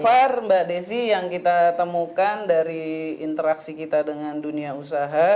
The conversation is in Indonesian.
so far mbak desy yang kita temukan dari interaksi kita dengan dunia usaha